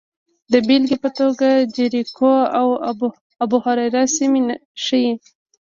د بېلګې په توګه جریکو او ابوهریره سیمې ښيي